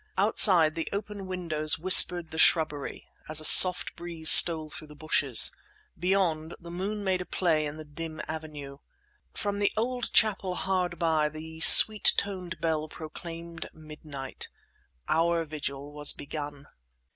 Outside the open windows whispered the shrubbery, as a soft breeze stole through the bushes. Beyond, the moon made play in the dim avenue. From the old chapel hard by the sweet toned bell proclaimed midnight. Our vigil was begun.